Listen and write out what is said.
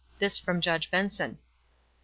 This from Judge Benson. Mr.